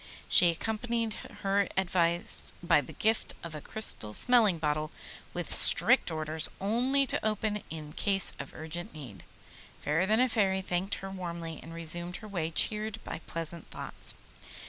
She accompanied her advice by the gift of a crystal smelling bottle, with strict orders only to open it in case of urgent need. Fairer than a Fairy thanked her warmly, and resumed her way cheered by pleasant thoughts.